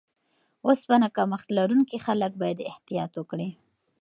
اوسپنه کمښت لرونکي خلک باید احتیاط وکړي.